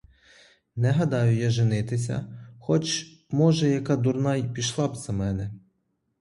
Не гадаю я женитися, хоч, може, яка дурна й пішла б за мене.